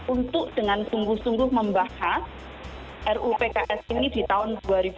untuk dengan sungguh sungguh membahas ruu pks ini di tahun dua ribu dua puluh